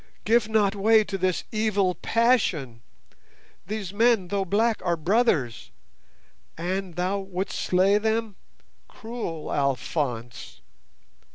Give not way to this evil passion! These men, though black, are brothers! And thou wouldst slay them? Cruel Alphonse!